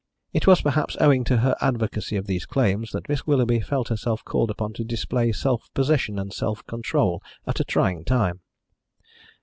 It was perhaps owing to her advocacy of these claims that Miss Willoughby felt herself called upon to display self possession and self control at a trying time.